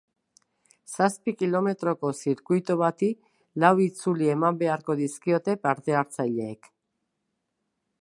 Zazpi kilometroko zirkuitu bati lau itzuli eman beharko dizkiote partehartzaileek.